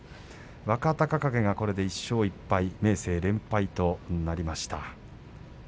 若隆景は１勝１敗明生は連敗となりました。